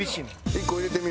１個入れてみ？